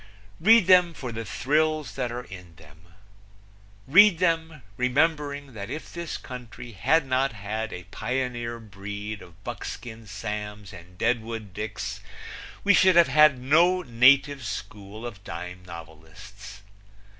"Read them for the thrills that are in them. Read them, remembering that if this country had not had a pioneer breed of Buckskin Sams and Deadwood Dicks we should have had no native school of dime novelists.